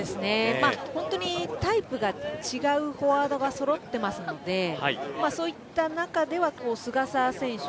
本当にタイプが違うフォワードがそろっていますのでそういった中では菅澤選手